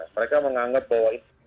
mereka menganggap bahwa ee